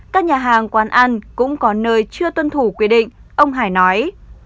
các nhà hàng quán ăn cũng có nơi chưa tuân thủ quy định ông hải nói